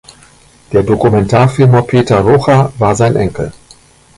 Der Dokumentarfilmer Peter Rocha war sein Enkel.